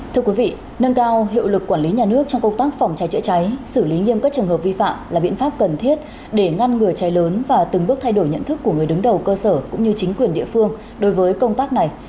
thưa quý vị nâng cao hiệu lực quản lý nhà nước trong công tác phòng cháy chữa cháy xử lý nghiêm các trường hợp vi phạm là biện pháp cần thiết để ngăn ngừa cháy lớn và từng bước thay đổi nhận thức của người đứng đầu cơ sở cũng như chính quyền địa phương đối với công tác này